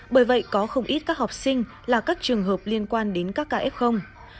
bởi vậy có không ít các học sinh là các trường hợp liên quan đến các kf